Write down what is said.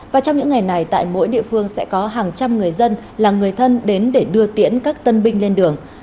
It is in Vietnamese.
và trong những ngày này tại mỗi địa phương sẽ có hàng trăm người dân là người thân đến để đưa tiễn các tân binh lên đường